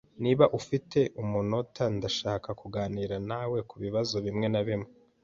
Niba ufite umunota, ndashaka kuganira nawe kubibazo bimwe na bimwe.